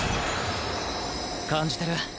感じてる？